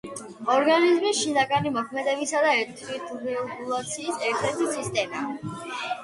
ორგანიზმის შინაგანი მოქმედებისა და თვითრეგულაციის ერთ-ერთი სისტემა.